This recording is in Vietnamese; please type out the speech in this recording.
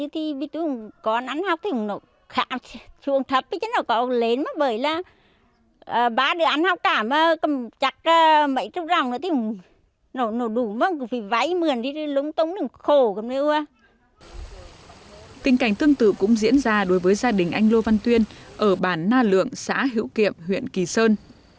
tình cảnh tương tự cũng diễn ra đối với gia đình anh lô văn tuyên ở bản na lượng xã hiệu kiệm huyện kỳ sơn